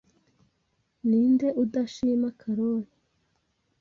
Ninde udashima Karoli?